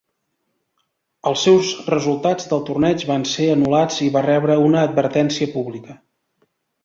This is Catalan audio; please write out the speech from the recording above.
Els seus resultats del torneig van ser anul·lats i va rebre una advertència pública.